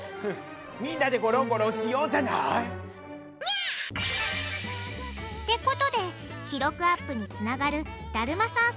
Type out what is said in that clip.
みんなでゴロンゴロンしようじゃない！ってことで記録アップにつながるだるまさん